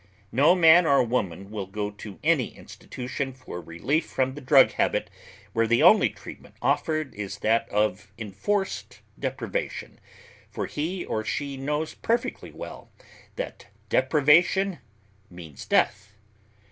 No man or woman will go to any institution for relief from the drug habit where the only treatment offered is that of enforced deprivation, for he or she knows perfectly well that deprivation means death.